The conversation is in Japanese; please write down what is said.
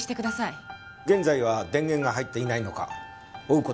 現在は電源が入っていないのか追う事が出来ない状態です。